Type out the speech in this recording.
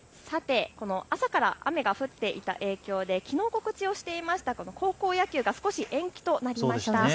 さてこの朝から雨が降っていた影響できのう告知をしていました高校野球が少し延期となりました。